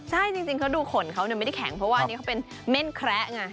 ใช่จริงเขาดูขนเขาไม่ได้แข็งเพราะว่าอันนี้เขาเป็นเม่นแคระไง